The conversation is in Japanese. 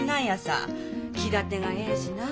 気立てがええしな。